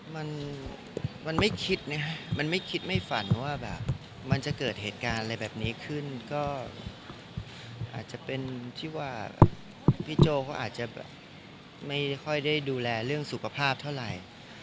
มันมันไม่คิดนะมันไม่คิดไม่ฝันว่าแบบมันจะเกิดเหตุการณ์อะไรแบบนี้ขึ้นก็อาจจะเป็นที่ว่าพี่โจ้เขาอาจจะแบบไม่ค่อยได้ดูแลเรื่องสุขภาพเท่าไหร่